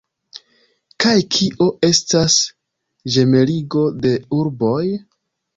Kaj kio estas ĝemeligo de urboj?